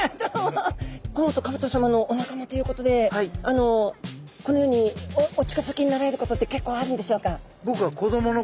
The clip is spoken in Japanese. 甲本甲さまのお仲間ということであのこのようにお近づきになられることって結構あるんでしょうか？